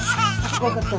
怖かった？